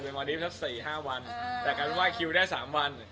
เมาดีฟแปลก๔๕วันแต่การว่าคิวได้๓วัน